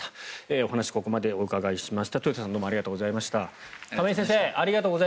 お話ここまでお伺いしました